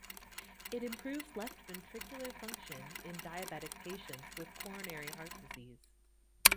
It improves left ventricular function in diabetic patients with coronary heart disease.